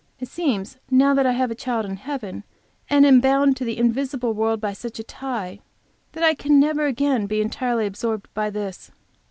It seems now that I have a child in heaven, and am bound to the invisible world by such a tie that I can never again be entirely absorbed by this.